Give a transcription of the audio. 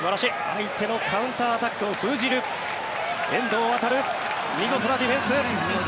相手のカウンターアタックを封じる遠藤航、見事なディフェンス。